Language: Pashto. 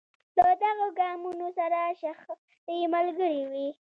له دغو ګامونو سره شخړې ملګرې وې.